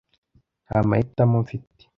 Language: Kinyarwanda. nta mahitamo mfite